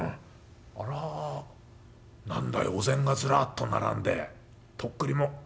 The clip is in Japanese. あら何だいお膳がずらっと並んでとっくりも。